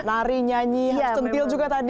nari nyanyi harus centil juga tadi